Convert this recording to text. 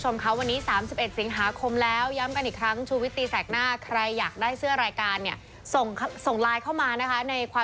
ไม่วงมือกับคนเลวเลยผมไม่ต้องการ